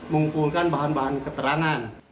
mengumpulkan bahan bahan keterangan